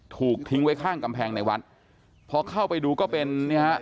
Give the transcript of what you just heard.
ถูกทิ้งไว้ข้างกำแพงในวัดพอเข้าไปดูก็เป็นเนี่ยฮะ